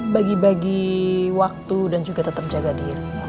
bagi bagi waktu dan juga tetap jaga diri